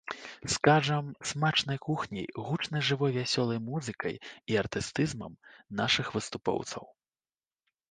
Скажам, смачнай кухняй, гучнай жывой вясёлай музыкай і артыстызмам нашых выступоўцаў.